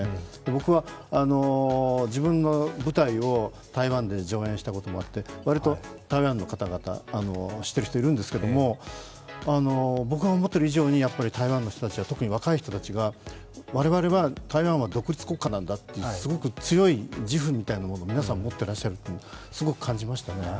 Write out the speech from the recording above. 僕は、自分の舞台を台湾で上映したこともあってわりと台湾の方々知っている人、いるんですけども僕が思っている以上に、台湾の人たち、特に若い人たちは我々は台湾は独立国家なんだってすごく強い自負みたいなものを皆さん持ってらっしゃるってすごく感じましたね。